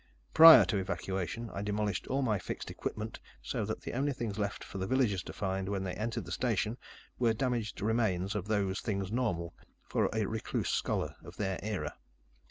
Prior to evacuation, I demolished all my fixed equipment, so that the only things left for the villagers to find when they entered the station were damaged remains of those things normal for a recluse scholar of their era.